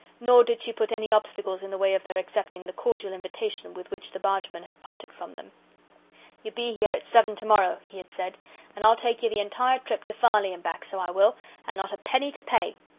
Nor did she put any obstacles in the way of their accepting the cordial invitation with which the bargeman had parted from them. "Ye be here at seven to morrow," he had said, "and I'll take you the entire trip to Farley and back, so I will, and not a penny to pay.